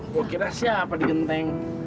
kok kita siapa di genteng